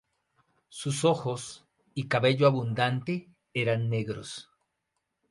Sus ojos y cabello abundante eran negros.